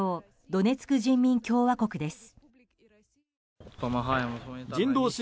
・ドネツク人民共和国です。